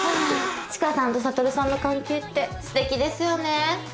知花さんと悟さんの関係ってすてきですよね！